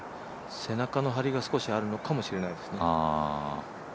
背中の張りが少しあるのかもしれないですね。